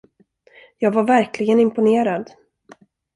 Jag var verkligen imponerad.